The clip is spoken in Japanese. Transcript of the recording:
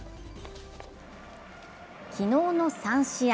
昨日の３試合。